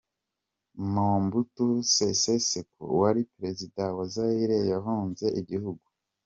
Mobutu Sese Seko, wari perezida wa Zaire yahunze igihugu.